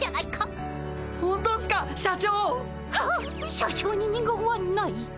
社長に二言はない。